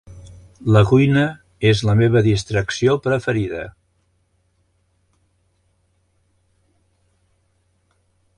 La cuina és la meva distracció preferida.